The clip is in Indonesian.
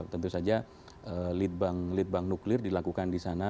tentu saja lead bank nuklir dilakukan di sana